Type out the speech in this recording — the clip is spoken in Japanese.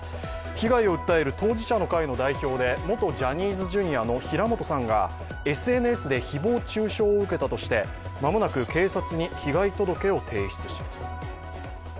被害を訴える当事者の会の代表で元ジャニーズＪｒ．の平本さんがＳＮＳで誹謗中傷を受けたとして間もなく警察に被害届を提出します。